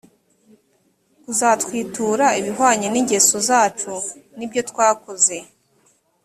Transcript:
kuzatwitura ibihwanye n ingeso zacu n ibyo twakoze